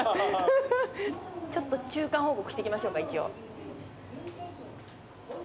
ちょっと中間報告してきましょうか一応。